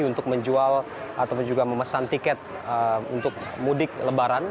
untuk menjual ataupun juga memesan tiket untuk mudik lebaran